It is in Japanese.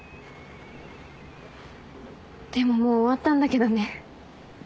でももう終わったんだけどね。